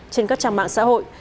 trên các trang mạng xã hội